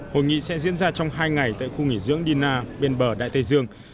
hội nghị sẽ diễn ra trong hai ngày tại khu nghỉ dưỡng dia bên bờ đại tây dương